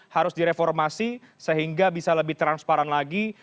harus direformasi sehingga bisa lebih transparan lagi